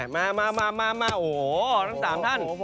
มามาโอ้โหทั้ง๓ท่าน